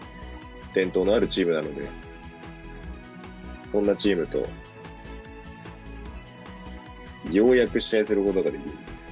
伝統のあるチームなので、そんなチームと、ようやく試合することができる。